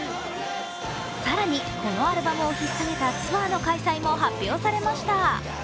更にこのアルバムをひっ提げたツアーの開催も発表されました。